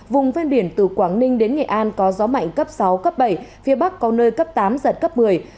vùng ven biển từ quảng ninh đến nghệ an có gió mạnh cấp sáu cấp bảy phía bắc có nơi cấp tám giật cấp một mươi